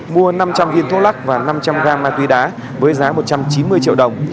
mua năm trăm linh viên thuốc lắc và năm trăm linh gram ma túy đá với giá một trăm chín mươi triệu đồng